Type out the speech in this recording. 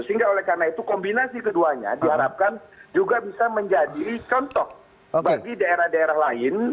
sehingga oleh karena itu kombinasi keduanya diharapkan juga bisa menjadi contoh bagi daerah daerah lain